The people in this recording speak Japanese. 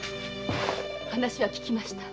話は聞きました。